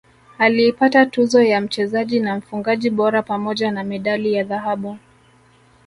aliipata tuzo ya mchezaji na mfungaji bora pamoja na medali ya dhahabu